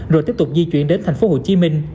rồi tiếp tục di chuyển đến tp hcm